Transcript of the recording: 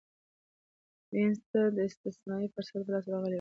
وینز ته استثنايي فرصت په لاس ورغلی و